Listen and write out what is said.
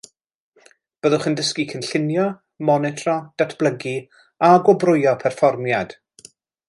Byddwch yn dysgu cynllunio, monitro, datblygu a gwobrwyo perfformiad.